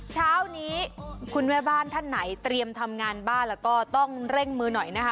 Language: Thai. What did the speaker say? เช้านี้คุณแม่บ้านท่านไหนเตรียมทำงานบ้านแล้วก็ต้องเร่งมือหน่อยนะคะ